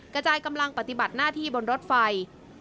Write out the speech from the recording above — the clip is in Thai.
กระจายกำลังปฏิบัติหน้าที่บนรถไฟ